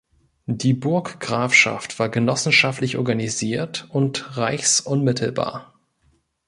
Die Burggrafschaft war genossenschaftlich organisiert und reichsunmittelbar.